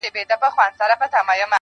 زما زما د ژوند لپاره ژوند پرې ايښی~